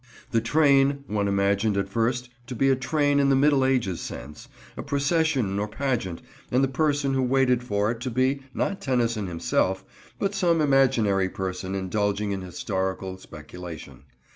The "train" one imagined at first to be a train in the middle ages sense, a procession or pageant, and the person who waited for it to be, not Tennyson himself, but some imaginary person indulging in historical speculation.